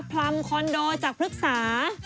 พลัมคอนโดจากภึกษา